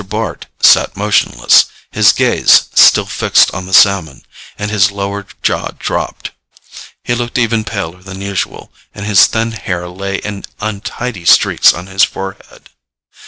Bart sat motionless, his gaze still fixed on the salmon, and his lower jaw dropped; he looked even paler than usual, and his thin hair lay in untidy streaks on his forehead.